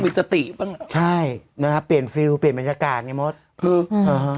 มีสติบ้างเหรอใช่นะครับเปลี่ยนฟิลเปลี่ยนบรรยากาศไงมดคืออ่าฮะ